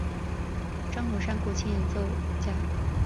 张孔山古琴演奏家。